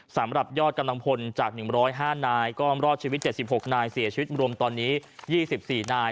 สำหรับยอดกำลังพลจาก๑๐๕นายก็รอดชีวิต๗๖นายเสียชีวิตรวมตอนนี้๒๔นาย